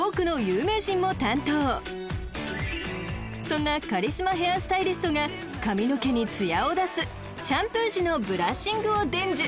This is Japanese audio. ［そんなカリスマヘアスタイリストが髪の毛につやを出すシャンプー時のブラッシングを伝授］